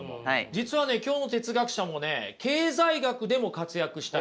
実はね今日の哲学者もね経済学でも活躍した人です。